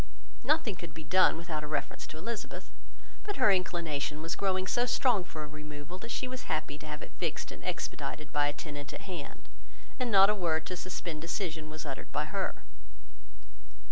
Nothing could be done without a reference to Elizabeth: but her inclination was growing so strong for a removal, that she was happy to have it fixed and expedited by a tenant at hand; and not a word to suspend decision was uttered by her.